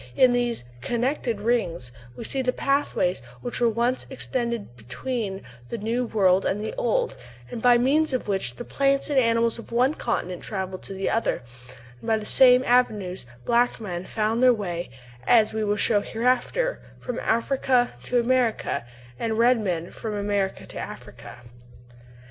In these "connecting ridges" we see the pathway which once extended between the New World and the Old, and by means of which the plants and animals of one continent travelled to the other; and by the same avenues black men found their way, as we will show hereafter, from Africa to America, and red men from America to Africa.